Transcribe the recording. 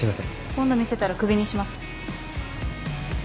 今度見せたら首にします。